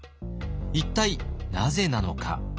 一体なぜなのか。